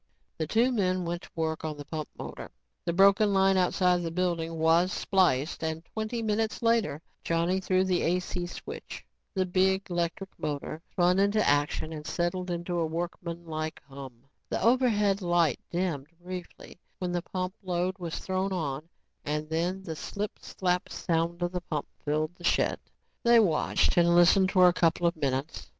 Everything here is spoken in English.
The two men went to work on the pump motor. The broken line outside the building was spliced and twenty minutes later, Johnny threw the AC switch. The big, electric motor spun into action and settled into a workmanlike hum. The overhead light dimmed briefly when the pump load was thrown on and then the slip slap sound of the pump filled the shed. They watched and listened for a couple of minutes.